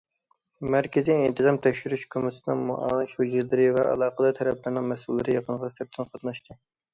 مەركىزىي ئىنتىزام تەكشۈرۈش كومىتېتىنىڭ مۇئاۋىن شۇجىلىرى ۋە ئالاقىدار تەرەپلەرنىڭ مەسئۇللىرى يىغىنغا سىرتتىن قاتناشتى.